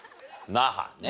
那覇ね。